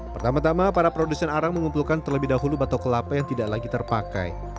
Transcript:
pertama tama para produsen arang mengumpulkan terlebih dahulu batok kelapa yang tidak lagi terpakai